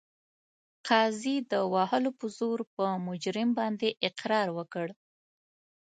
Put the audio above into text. قاضي د وهلو په زور په مجرم باندې اقرار وکړ.